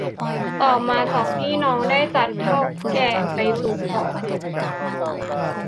ต่อมาสองพี่น้องได้จัดเถ้าแก่ไปสู่ขอ